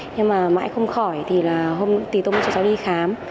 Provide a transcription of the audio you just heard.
nhưng mà mãi không khỏi thì tôi mới cho cháu đi khám